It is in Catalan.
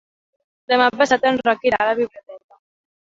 Demà passat en Roc irà a la biblioteca.